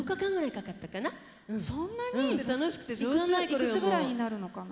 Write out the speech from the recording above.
いくつぐらいになるのかな？